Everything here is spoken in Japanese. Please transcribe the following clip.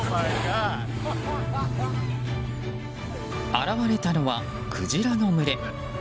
現れたのはクジラの群れ。